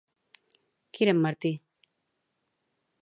Qui era en Martí?